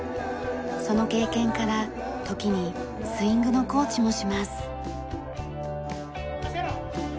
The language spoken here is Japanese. その経験から時にスイングのコーチもします。